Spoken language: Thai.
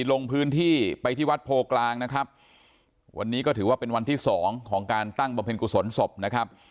ลงพื้นที่ไปที่วัดโพกลางนะครับวันนี้ก็ถือว่าเป็นวันที่สองของการตั้งบำเพ็ญกุศลศพนะครับ